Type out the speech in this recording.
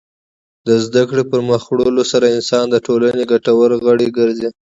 د زدهکړې پرمخ وړلو سره انسان د ټولنې ګټور غړی ګرځي.